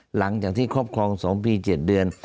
หลังจากที่ครอบครอง๒ปี๗เดือน